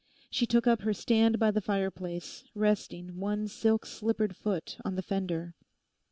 She took up her stand by the fireplace, resting one silk slippered foot on the fender.